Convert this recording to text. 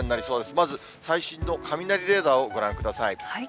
まず、最新の雷レーダーをご覧ください。